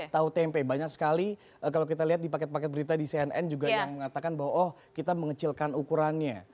tahu tempe banyak sekali kalau kita lihat di paket paket berita di cnn juga yang mengatakan bahwa oh kita mengecilkan ukurannya